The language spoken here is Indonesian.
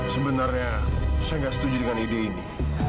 sebenarnya saya nggak setuju dengan ide ini